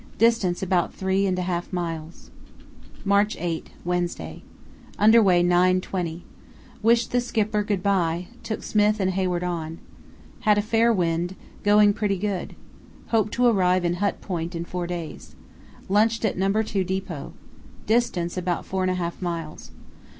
Distance about three and a half miles. "March 8, Wednesday.—Under way 9.20. Wished the Skipper good bye; took Smith and Hayward on. Had a fair wind, going pretty good. Hope to arrive in Hut Point in four days. Lunched at No. 2 depot. Distance about four and a half miles.